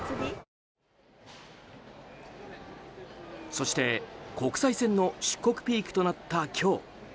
そして国際線の出国ピークとなった今日。